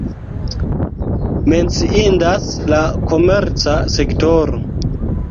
Menciindas la komerca sektoro.